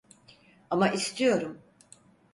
Ama istiyorum.